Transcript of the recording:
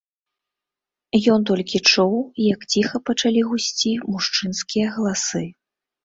Ён толькі чуў, як ціха пачалі гусці мужчынскія галасы.